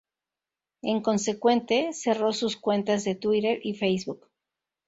En consecuente, cerró sus cuentas de Twitter y Facebook.